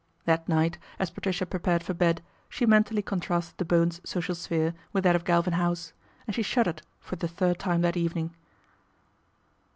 That night, as Patricia prepared for bed, she mentally contrasted the Bowens' social sphere with that of Galvin House and she shuddered for the third time that evening.